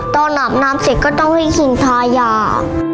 อาบน้ำเสร็จก็ต้องให้กินทายา